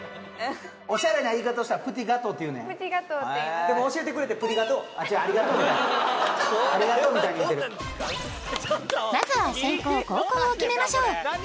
おしゃれな言い方をしたらプティガトーって言うのやへえありがとうみたいありがとうみたいに言うてるまずは先攻・後攻を決めましょう